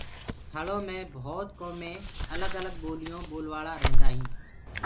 ٿݪو مي ڀوتَ ڪومين الگ الگ ٻوليون ٻولوآݪآ ريهندآئين